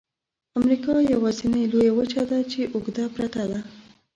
امریکا یوازني لویه وچه ده چې اوږده پرته ده.